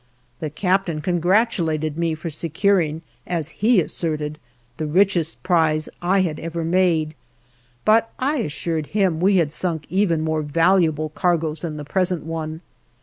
The captain congratulated me for securing, as he asserted, the richest prize I had ever made, but I assured him we had sunk even more valuable cargoes than the present one.